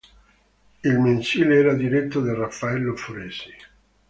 Il mensile era diretto da Raffaello Foresi.